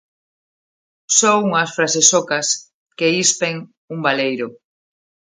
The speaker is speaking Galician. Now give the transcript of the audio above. Só unhas frases ocas que ispen un baleiro.